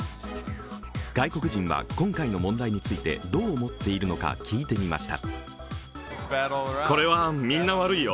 外国人は今回の問題についてどう思っているのか聞いてみました。